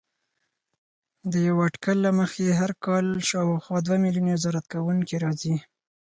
د یوه اټکل له مخې هر کال شاوخوا دوه میلیونه زیارت کوونکي راځي.